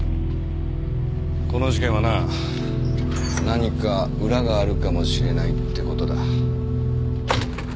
この事件はな何か裏があるかもしれないって事だ。